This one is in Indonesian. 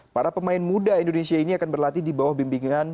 para pemain muda indonesia ini akan berlatih di bawah bimbingan